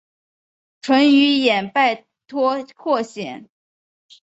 淳于衍拜托霍显。